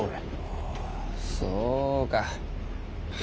そうか。